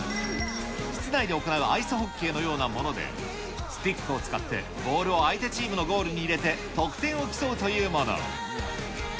室内で行うアイスホッケーのようなもので、スティックを使ってボールを相手チームのゴールに入れて得点を競うというもの。